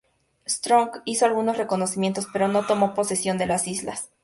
Strong hizo algunos reconocimientos, pero no tomó posesión de las islas.